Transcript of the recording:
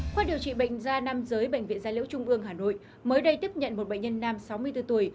khoa điều trị bệnh da nam giới bệnh viện gia liễu trung ương hà nội mới đây tiếp nhận một bệnh nhân nam sáu mươi bốn tuổi